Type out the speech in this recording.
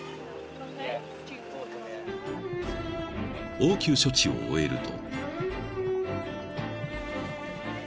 ［応急処置を終えると］